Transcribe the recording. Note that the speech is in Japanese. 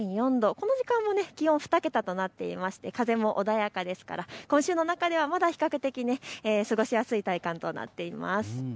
この時間も気温２桁となっていて風も穏やかですから今週の中ではまだ比較的過ごしやすい体感となっています。